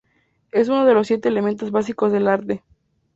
Es uno de los siete elementos básicos del arte.